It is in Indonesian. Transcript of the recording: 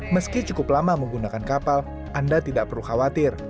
meski cukup lama menggunakan kapal anda tidak perlu khawatir